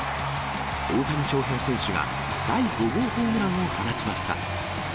大谷翔平選手が、第５号ホームランを放ちました。